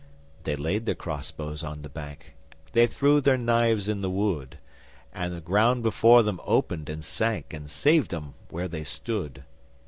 They laid their crossbows on the bank, They threw their knives in the wood, And the ground before them opened and sank And saved 'em where they stood.